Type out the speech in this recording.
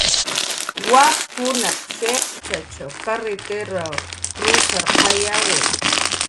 Wakkunaq shiq'shichw karritir krusarqayawi